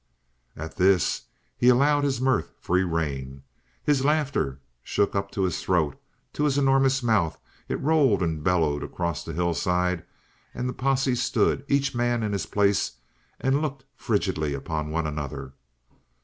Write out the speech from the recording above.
At this, he allowed his mirth free rein. His laughter shook up to his throat, to his enormous mouth; it rolled and bellowed across the hillside; and the posse stood, each man in his place, and looked frigidly upon one another.